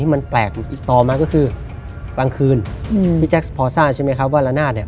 โดยมันอยากจะฟังเดิมเขียนกับการมาก